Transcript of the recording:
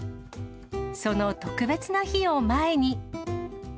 その特別な日を前に。